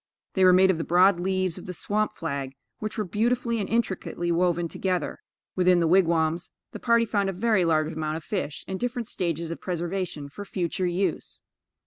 They were made of the broad leaves of the swamp flag, which were beautifully and intricately woven together. Within the wigwams, the party found a very large amount of fish in different stages of preservation for future use.